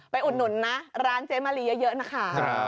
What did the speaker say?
อุดหนุนนะร้านเจ๊มะลีเยอะนะคะ